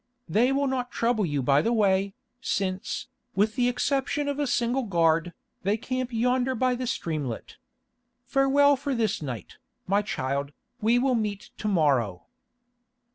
They will not trouble you by the way, since, with the exception of a single guard, they camp yonder by the streamlet. Farewell for this night, my child; we will meet to morrow."